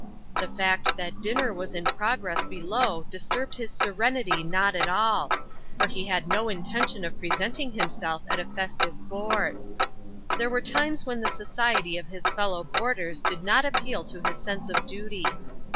The fact that dinner was in progress below disturbed his serenity not at all, for he had no intention of presenting himself at the festive board. There were times when the society of his fellow boarders did not appeal to his sense of duty.